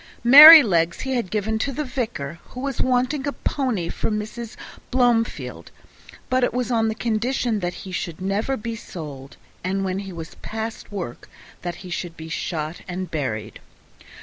Merrylegs he had given to the vicar, who was wanting a pony for Mrs. Blomefield, but it was on the condition that he should never be sold, and that when he was past work he should be shot and buried.